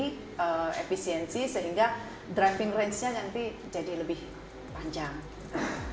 jadi efisiensi sehingga driving range nya nanti jadi lebih panjang